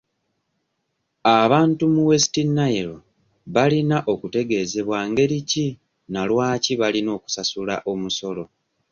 Abantu mu West Nile balina okutegezebwa ngeri ki na lwaki balina okusasula omusolo.